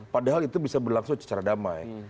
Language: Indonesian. padahal itu bisa berlangsung secara damai